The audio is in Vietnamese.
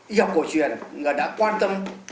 y học cổ truyền đã quan tâm